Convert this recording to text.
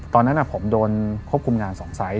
ตอนนั้นผมโดนควบคุมงาน๒ไซส์